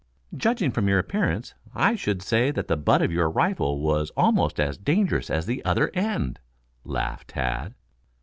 "Judging from your appearance, I should say that the butt of your rifle was almost as dangerous as the other end," laughed Tad.